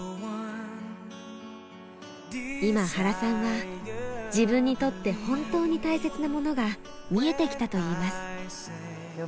今原さんは自分にとって本当に大切なものが見えてきたと言います。